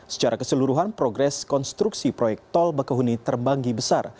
secara keseluruhan progres konstruksi proyek tol bakahuni terbanggi besar